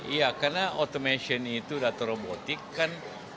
iya karena automation itu data robotik kan